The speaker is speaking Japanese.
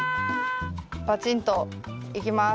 パチンといきます。